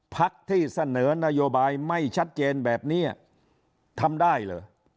พักที่เสนอนโยบายไม่ชัดเจนแบบนี้ทำได้เหรอ